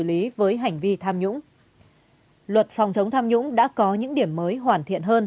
lý với hành vi tham nhũng luật phòng chống tham nhũng đã có những điểm mới hoàn thiện hơn